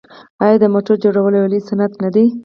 آیا د موټرو جوړول یو لوی صنعت نه دی؟